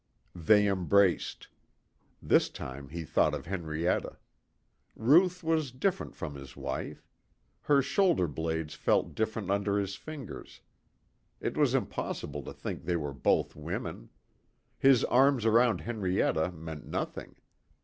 They embraced. This time he thought of Henrietta. Ruth was different from his wife. Her shoulder blades felt different under his fingers. It was impossible to think they were both women. His arms around Henrietta meant nothing.